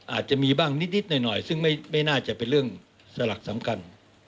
อาจจะมีบ้างนิดหน่อยซึ่งไม่น่าจะเป็นเรื่องสลักสำคัญ